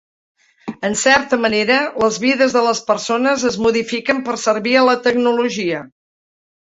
En certa manera, les vides de les persones es modifiquen per servir a la tecnologia.